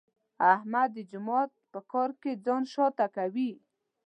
احمد د جومات په کار کې ځان شاته کوي.